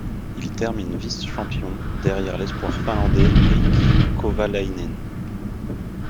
Il termine vice-champion derrière l'espoir finlandais Heikki Kovalainen.